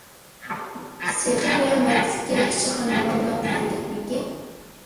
سېخىي ۋە مەردلىكىگە ئىچى قاينىغانلار دېگەن گەپمىكىن.